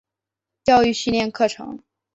教育训练课程